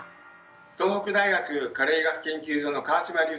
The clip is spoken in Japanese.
東北大学加齢医学研究所の川島隆太です。